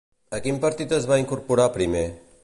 A quin partit es va incorporar primer?